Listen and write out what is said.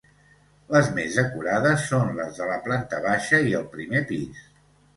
Les més decorades són les de la planta baixa i el primer pis.